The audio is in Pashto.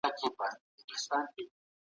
کنت د خپل استاد په شان فکر کاوه.